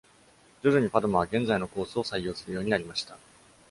徐々にパドマは現在のコースを採用するようになりました。